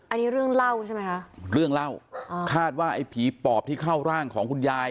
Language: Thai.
อันนี้เรื่องเล่าใช่ไหมคะเรื่องเล่าคาดว่าไอ้ผีปอบที่เข้าร่างของคุณยาย